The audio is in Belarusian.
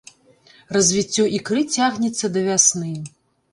Развіццё ікры цягнецца да вясны.